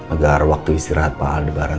agar waktu istirahat pak aldebaran